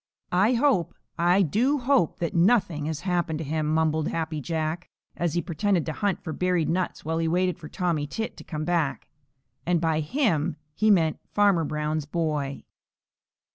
"I hope, I do hope, that nothing has happened to him," mumbled Happy Jack, as he pretended to hunt for buried nuts while he waited for Tommy Tit to come back, and by "him" he meant Farmer Brown's boy.